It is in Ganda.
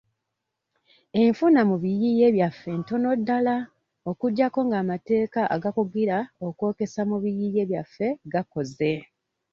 Enfuna mu biyiiye byaffe ntono ddala okuggyako ng'amateeka agakugira okwokyesa mu biyiiye byaffe gakoze.